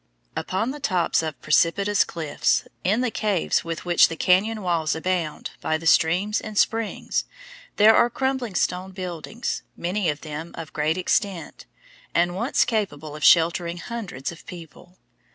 Upon the tops of precipitous cliffs, in the caves with which the cañon walls abound, by the streams and springs, there are crumbling stone buildings, many of them of great extent, and once capable of sheltering hundreds of people.